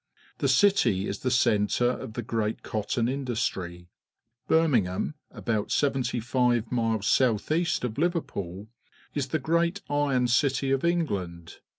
The city is the centre of the great cotton industry. Birminghmn, about seventy five miles south east of Liverpool, is the great iron city of England.